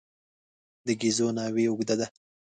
د ګېزو ناوې اوږده ده.